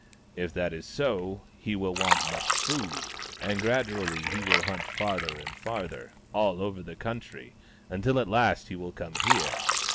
If that is so, he will want much food, and gradually he will hunt farther and farther, all over the country, until at last he will come here.